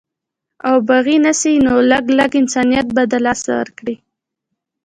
او باغي نسي نو لږ، لږ انسانيت به د لاسه ورکړي